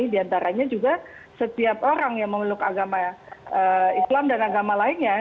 diantaranya juga setiap orang yang memiliki agama islam dan agama lainnya